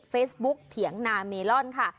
เฟซบุ๊กเถียงนาเมลอนค่ะ